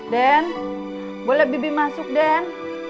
den boleh bibi masuk den